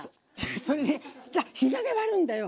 それね違う膝で割るんだよ！